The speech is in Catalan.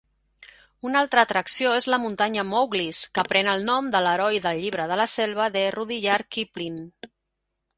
Una altra atracció és la muntanya Mowglis, que pren el nom de l'heroi del "Llibre de la selva" de Rudyard Kipling.